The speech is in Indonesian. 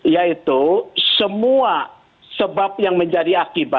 yaitu semua sebab yang menjadi akibat